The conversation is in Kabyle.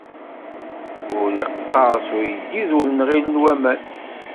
Ur iqqers uyeddid ur nɣilen waman.